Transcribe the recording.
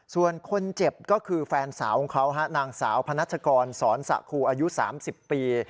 ส่วนคนเจ็บก็คือแฟนสาวของเขานางสาวพนัชกรสอนสะครูอายุ๓๐ปี